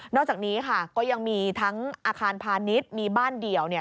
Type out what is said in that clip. อกจากนี้ค่ะก็ยังมีทั้งอาคารพาณิชย์มีบ้านเดี่ยว